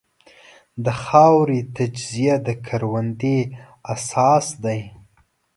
د خاورې تجزیه د کروندې اساس دی.